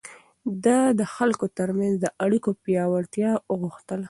ده د خلکو ترمنځ د اړيکو پياوړتيا غوښتله.